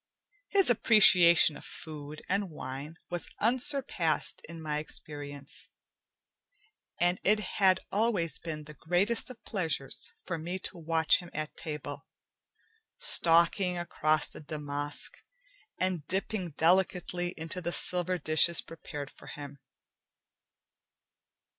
His appreciation of food and wine was unsurpassed in my experience, and it had always been the greatest of pleasures for me to watch him at table, stalking across the damask and dipping delicately into the silver dishes prepared for him.